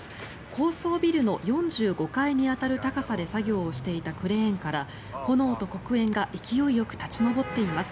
高層ビルの４５階に当たる高さで作業をしていたクレーン車から炎と黒煙が勢いよく立ち上っています。